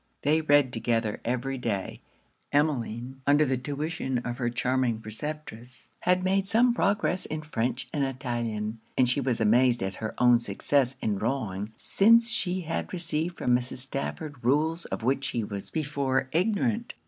They read together every day: Emmeline, under the tuition of her charming preceptress, had made some progress in French and Italian; and she was amazed at her own success in drawing since she had received from Mrs. Stafford rules of which she was before ignorant.